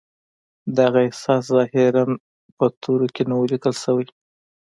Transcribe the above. دغه احساس ظاهراً په تورو کې نه و ليکل شوی.